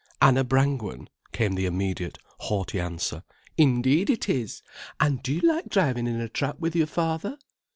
"Anna Brangwen," came the immediate, haughty answer. "Indeed it is! An' do you like driving in a trap with your father?"